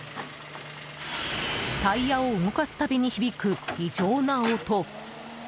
タイヤを動かす度に響く異常な音。